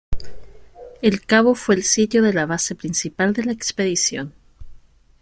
El cabo fue el sitio de la base principal de la expedición.